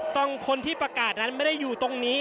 คนที่ประกาศนั้นไม่ได้อยู่ตรงนี้